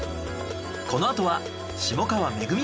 このあとは下川めぐみ